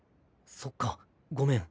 そっかごめん。